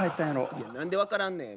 いや何で分からんねん？